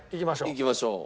いきましょう。